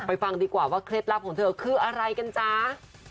ฟังดีกว่าว่าเคล็ดลับของเธอคืออะไรกันจ๊ะ